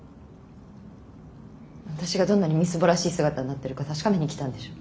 私がどんなにみすぼらしい姿になってるか確かめに来たんでしょう。